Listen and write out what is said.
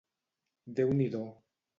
Déu-n'hi-do